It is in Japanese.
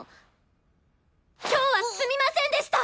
今日はすみませんでした！